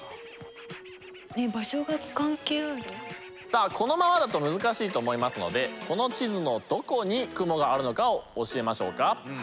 さあこのままだと難しいと思いますのでこの地図のどこに雲があるのかを教えましょうか。